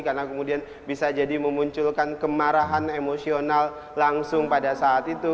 karena kemudian bisa jadi memunculkan kemarahan emosional langsung pada saat itu